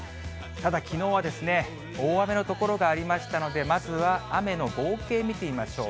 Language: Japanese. ただ、きのうは大雨の所がありましたので、まずは雨の合計見てみましょう。